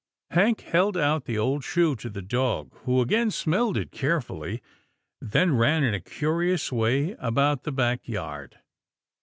Hank held out the old shoe to the dog, who again smelled it carefully, then ran in a curious way about the back yard.